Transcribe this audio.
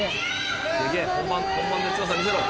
「頑張れ」「本番で強さ見せろ！」